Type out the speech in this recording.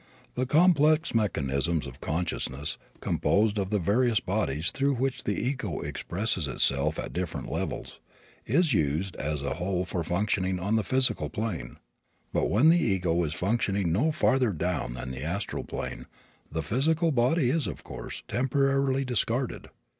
This complex mechanism of consciousness, composed of the various bodies through which the ego expresses itself at different levels, is used as a whole for functioning on the physical plane. But when the ego is functioning no farther down than the astral plane, the physical body is, of course, temporarily discarded.